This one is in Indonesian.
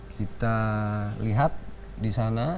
kita lihat di sana